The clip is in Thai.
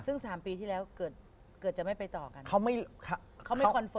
ซึ่ง๓ปีที่แล้วเกิดจะไม่ไปต่อกัน